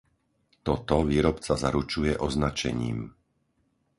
Toto výrobca zaručuje označením.